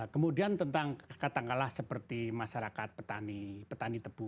kemudian tentang kata kalah seperti masyarakat petani petani tebu